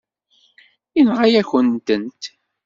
Yenɣa-yakent-tent.